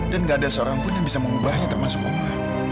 dan gak ada seorang pun yang bisa mengubahnya termasuk oma